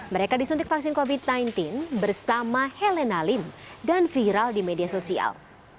mereka disuntik vaksin covid sembilan belas bersama helena lim dan viral di media sosial